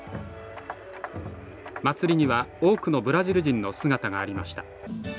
祭りには多くのブラジル人の姿がありました。